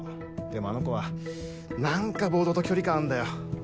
でもあの子は何かボードと距離感あんだよ